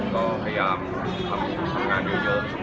ก็พยายามทำงานเยอะ